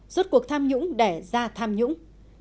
rốt cuộc tham nhũng đẻ ra tham nhũng